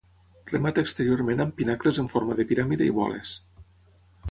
Remata exteriorment amb pinacles en forma de piràmide i boles.